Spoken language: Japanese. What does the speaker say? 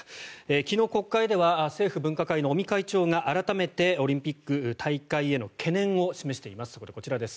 昨日、国会では政府分科会の尾身会長が改めてオリンピック、大会への懸念を示しています。